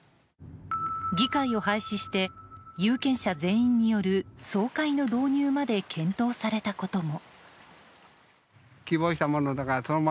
議会を廃止して有権者全員による総会の導入まで検討されたことも。